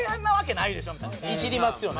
いじりますよね。